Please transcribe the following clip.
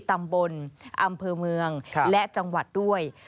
ตำบลอำเภอเมืองและจังหวัดด้วย